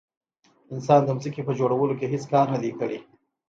انسان د ځمکې په جوړولو کې هیڅ کار نه دی کړی.